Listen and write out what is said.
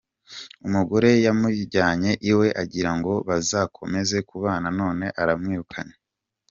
Umugore yamujyanye iwe agira ngo bazakomeza kubana none aramwirukanye